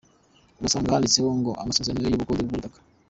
Urasanga handitseho ngo ‘amazezerano y’ubukode bw’ubutaka‘.